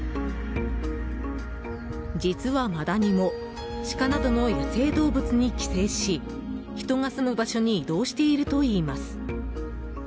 実はマダニもシカなどの野生動物に寄生し人が住む場所に移動しているといいます。